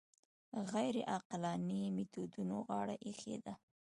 غیر عقلاني میتودونو غاړه ایښې ده